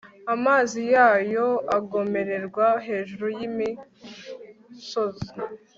amazi yayo agomererwa hejuru y'imisozi